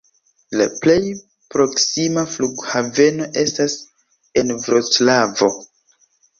La plej proksima flughaveno estas en Vroclavo.